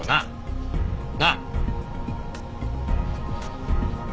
なあ。